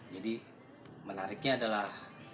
jadi menariknya adalah